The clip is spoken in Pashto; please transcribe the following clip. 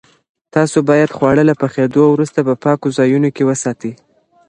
تاسو باید خواړه له پخېدو وروسته په پاکو ځایونو کې وساتئ.